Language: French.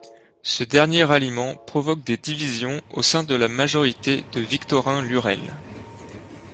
Ce dernier ralliement provoque des divisions au sein de la majorité de Victorin Lurel.